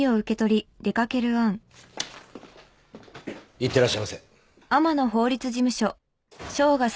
いってらっしゃいませ。